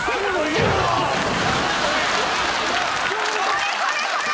これこれこれ！